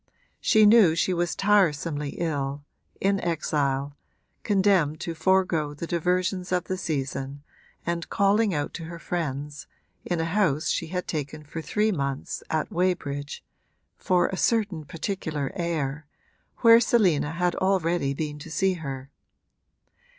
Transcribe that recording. She knew she was tiresomely ill, in exile, condemned to forego the diversions of the season and calling out to her friends, in a house she had taken for three months at Weybridge (for a certain particular air) where Selina had already been to see her.